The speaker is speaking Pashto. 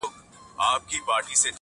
توري دي لالا کوي، مزې دي عبدالله کوي.